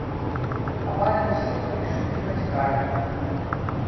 Амаль усе прыйшлі з бацькамі.